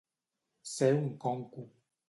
Ser un conco.